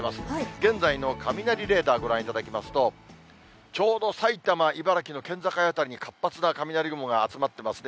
現在の雷レーダー、ご覧いただきますと、ちょうど埼玉、茨城の県境辺りに活発な雷雲が集まってますね。